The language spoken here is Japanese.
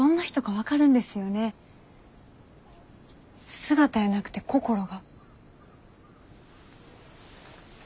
姿やなくて心が。